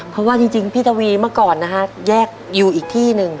เพราะว่าจริงพี่ทวีเมื่อก่อนนะฮะแยกอยู่อีกที่หนึ่ง